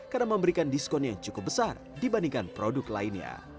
karena memberikan diskon yang cukup besar dibandingkan produk lainnya